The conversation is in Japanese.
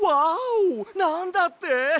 なんだって？